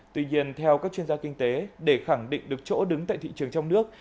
tuy nhiên theo các chuyên gia kinh tế để khẳng định được chỗ đứng tại thị trường trong nước